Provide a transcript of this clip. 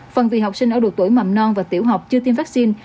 phần vì học sinh ở độ tuổi mầm non và tiểu học chưa tiêm vaccine